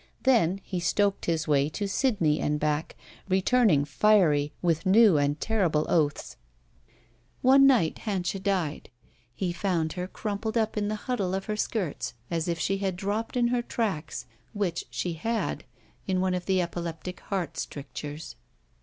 Then he stoked his way to Sydney and back, returning fiery with new and terrible oaths. One night Hanscha died. He found her crumpled up in the huddle of her skirts as if she had dropped 270 ROULETTE in her tracks, which she had, in one of the epileptic heart strictures.